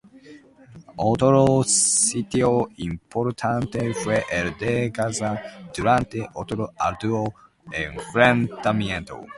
Otro sitio importante fue el de Gaza durante otro arduo enfrentamiento.